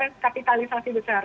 tapi juga kapitalisasi besar